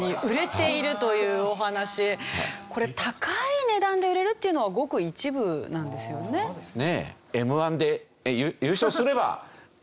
これ高い値段で売れるっていうのはごく一部なんですよね？